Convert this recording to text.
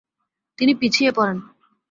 তিনি পিছিয়ে পড়েন।